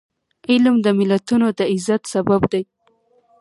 علم د ملتونو د عزت سبب دی.